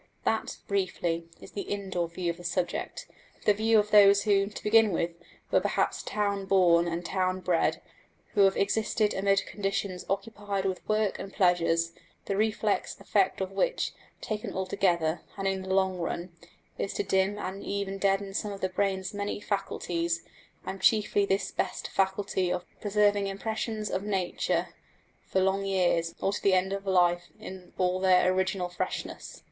That, briefly, is the indoor view of the subject the view of those who, to begin with, were perhaps town born and town bred; who have existed amid conditions, occupied with work and pleasures, the reflex effect of which, taken altogether and in the long run, is to dim and even deaden some of the brain's many faculties, and chiefly this best faculty of preserving impressions of nature for long years or to the end of life in all their original freshness.